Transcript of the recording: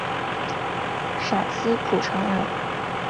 陕西蒲城人。